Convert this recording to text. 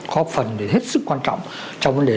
có phần hết sức quan trọng trong vấn đề